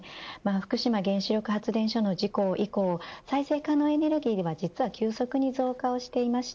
福島原子力発電所の事故以降再生可能エネルギーは実は急速に増加をしています。